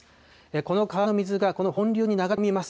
この川の水が、この本流に流れ込みます。